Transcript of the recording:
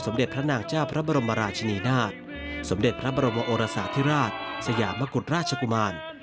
สำเด็จพระบรมโอรสาธิราชสยามกุฎราชกุมาร